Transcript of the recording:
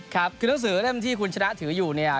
ครับคือหนังสือเล่มที่คุณชนะถืออยู่เนี่ย